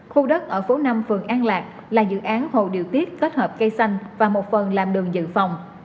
khu đất ở phố năm phường an lạc là dự án hồ điều tiết kết hợp cây xanh và một phần làm đường dự phòng